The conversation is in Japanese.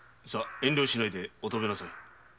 遠慮しないでお食べなさい。